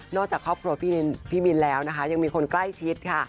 จากครอบครัวพี่บินแล้วนะคะยังมีคนใกล้ชิดค่ะ